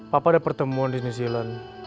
papa ada pertemuan di new zealand